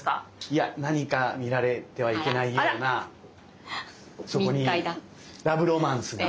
いや何か見られてはいけないようなそこにラブロマンスが。